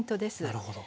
なるほど。